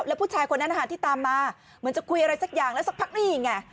แล้วผู้ชายคนนั้นที่ตามมาเหมือนจะคุยอะไรสักอย่างแล้วสักพักนี่ไง